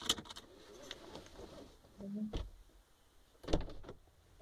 Hata hivyo Jacob matata aliweza kumtambua mzee Makame akiwa kwenye hiyo picha